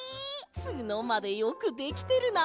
ツノまでよくできてるな。